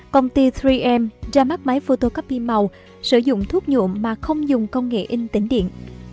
công ty ba m ra mắt máy photocopy màu sử dụng thuốc nhuộm mà không dùng công nghệ in tính điện